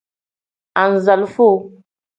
Anzalifo.